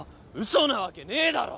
嘘なわけねえだろ！